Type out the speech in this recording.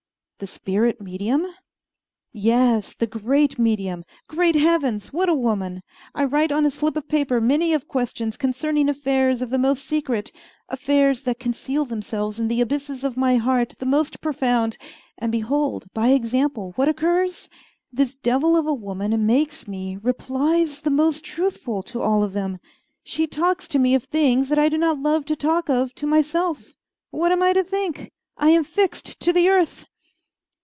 "The spirit medium?" "Yes, the great medium. Great heavens! what a woman! I write on a slip of paper many of questions concerning affairs of the most secret affairs that conceal themselves in the abysses of my heart the most profound; and behold, by example, what occurs? This devil of a woman makes me replies the most truthful to all of them. She talks to me of things that I do not love to talk of to myself. What am I to think? I am fixed to the earth!"